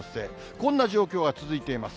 こんな状況が続いています。